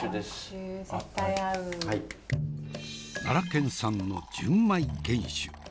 奈良県産の純米原酒。